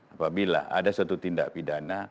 apabila ada suatu tindak pidana